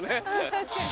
確かに。